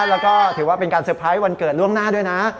แล้วก็ถือว่าเป็นการเตอร์ไพรส์วันเกิดล่วงหน้าด้วยนะ